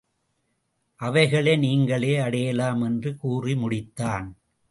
அவைகளை நீங்களே அடையலாம் என்று கூறி முடித்தான்.